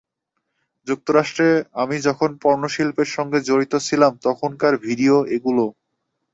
যুক্তরাষ্ট্রে আমি যখন পর্নো শিল্পের সঙ্গে জড়িত ছিলাম, তখনকার ভিডিও এগুলো।